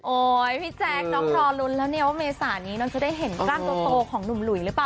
พี่แจ๊คน้องรอลุ้นแล้วเนี่ยว่าเมษานี้น้องจะได้เห็นกล้ามโตของหนุ่มหลุยหรือเปล่า